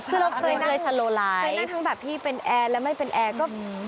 คือเราเคยนั่งทั้งแบบที่เป็นแอร์และไม่เป็นแอร์